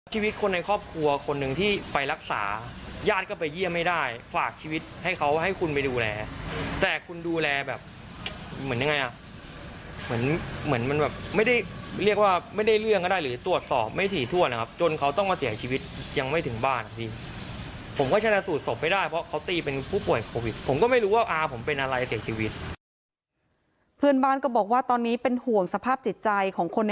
ชีวิตคนในครอบครัวคนหนึ่งที่ไปรักษาย่านก็ไปเยี่ยมไม่ได้ฝากชีวิตให้เขาให้คุณไปดูแลแต่คุณดูแลแบบเหมือนยังไงอ่ะเหมือนเหมือนมันแบบไม่ได้เรียกว่าไม่ได้เรื่องก็ได้หรือตรวจสอบไม่สีทั่วนะครับจนเขาต้องมาเสียชีวิตยังไม่ถึงบ้านผมก็ชัดสูตรสบไม่ได้เพราะเขาตีเป็นผู้ป่วยโควิดผมก็ไม่รู้ว่าผมเป็น